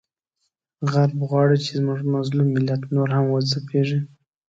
غرب غواړي چې زموږ مظلوم ملت نور هم وځپیږي،